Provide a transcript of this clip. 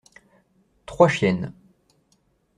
Trois chiennes.